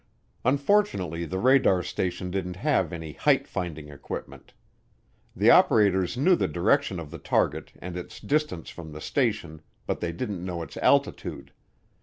Unfortunately the radar station didn't have any height finding equipment. The operators knew the direction of the target and its distance from the station but they didn't know its altitude.